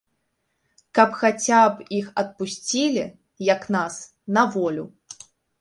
Каб хаця б іх адпусцілі, як нас, на волю.